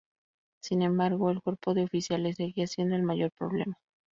Sin embargo, el cuerpo de oficiales seguía siendo el mayor problema.